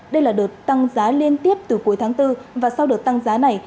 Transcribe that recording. đây là đợt tăng giá liên tiếp từ cuối tháng bốn và sau đợt tăng giá này